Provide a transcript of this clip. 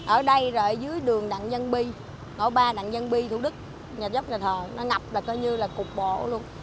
ở đây ở dưới đường đặng văn bi ngõ ba đặng văn bi thủ đức nhà dốc nhà thờ nó ngập là coi như là cuộc bộ luôn